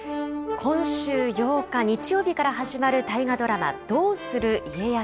今週８日日曜日から始まる大河ドラマ、どうする家康。